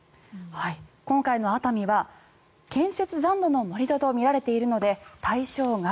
今回の熱海は建設残土の盛り土とみられているので対象外。